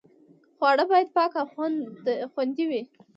خواړه باید پاک او خوندي وي.